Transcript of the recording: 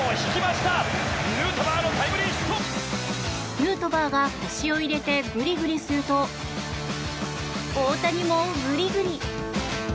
ヌートバーが腰を入れてグリグリすると大谷もグリグリ。